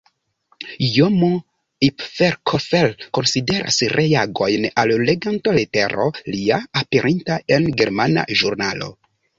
Jomo Ipfelkofer konsideras reagojn al leganto-letero lia, aperinta en germana ĵurnalo.